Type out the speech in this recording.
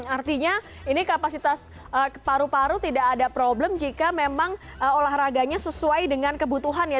artinya ini kapasitas paru paru tidak ada problem jika memang olahraganya sesuai dengan kebutuhan ya